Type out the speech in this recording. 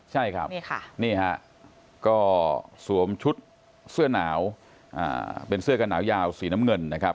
ใช่ครับนี่ฮะก็สวมชุดเสื้อหนาวเป็นเสื้อกันหนาวยาวสีน้ำเงินนะครับ